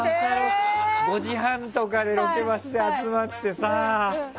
５時３０分とかでロケバスで集まってさあ。